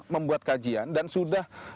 membuat kajian dan sudah